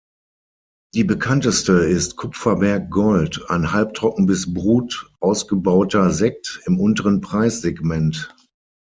Die bekannteste ist „Kupferberg Gold“, ein halbtrocken bis brut ausgebauter Sekt im unteren Preissegment.